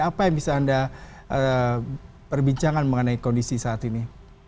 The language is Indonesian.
apa yang bisa anda perbincangkan mengenai kondisi saat ini